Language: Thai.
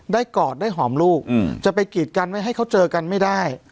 กอดได้หอมลูกจะไปกีดกันไม่ให้เขาเจอกันไม่ได้